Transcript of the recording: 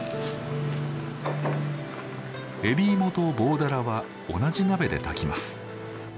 海老芋と棒だらは同じ鍋で炊きます。